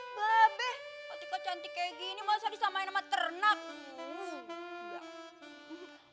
ketika cantik kayak gini masa disamain sama ternak